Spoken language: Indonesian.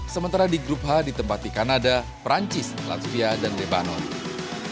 sementara di grup h ditempati kanada perancis latvia dan lebanon